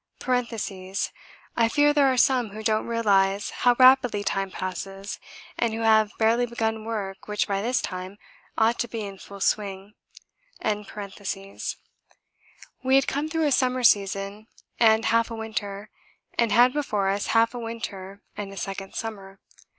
(I fear there are some who don't realise how rapidly time passes and who have barely begun work which by this time ought to be in full swing.) We had come through a summer season and half a winter, and had before us half a winter and a second summer.